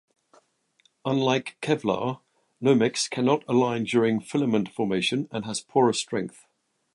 Unlike Kevlar, Nomex cannot align during filament formation and has poorer strength.